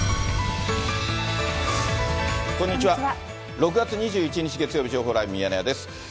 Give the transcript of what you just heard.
６月２１日月曜日、情報ライブ、ミヤネ屋です。